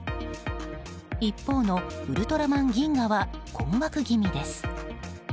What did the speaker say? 一方のウルトラマンギンガは困惑気味です。